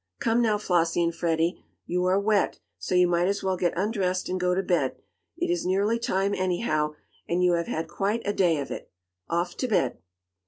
"Come now, Flossie and Freddie, you are wet, so you might as well get undressed and go to bed. It is nearly time, anyhow, and you have had quite a day of it. Off to bed!"